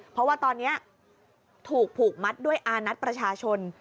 เพราะว่าตอนนี้ถูกผูกมัดด้วยอานัทประชาชน